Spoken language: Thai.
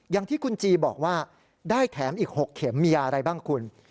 อย่างที่คุณจีบอกว่าได้แถมอีก๖เข็มมียาอะไรบ้างคุณ